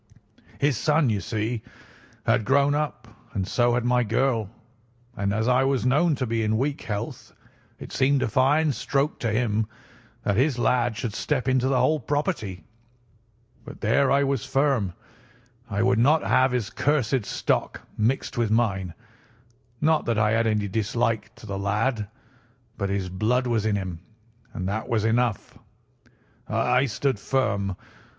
"His son, you see, had grown up, and so had my girl, and as I was known to be in weak health, it seemed a fine stroke to him that his lad should step into the whole property. But there I was firm. I would not have his cursed stock mixed with mine; not that I had any dislike to the lad, but his blood was in him, and that was enough. I stood firm.